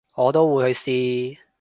我都會去試